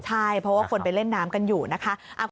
ใช่เพราะว่าคนไปเล่นน้ำกันอยู่นะคะ